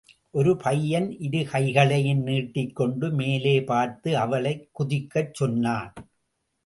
ஒரு பையன் இரு கைகளையும் நீட்டிக் கொண்டு மேலே பார்த்து அவளைக் குதிக்கச் சொன்னான்.